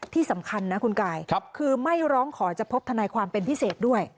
ที่สำคัญนะคุณกายคือไม่ร้องขอจะพบทนายความเป็นพิเศษด้วย